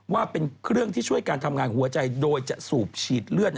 ว่าเป็นเครื่องที่ช่วยการทำงานหัวใจโดยจะสูบฉีดเลือด